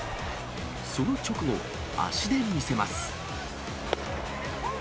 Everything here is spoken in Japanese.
その直後、足で見せます。